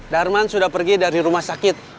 darman sudah pergi dari rumah sakit